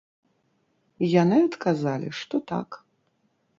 Яны адказалі, што, так.